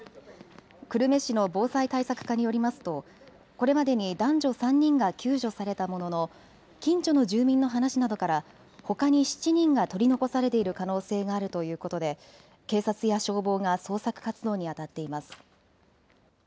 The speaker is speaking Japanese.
久留米市の防災対策課によりますとこれまでに男女３人が救助されたものの近所の住民の話などからほかに７人が取り残されている可能性があるということで警察や消防が捜索活動にあたっています。